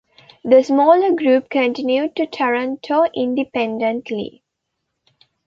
The smaller group continued to Taranto independently.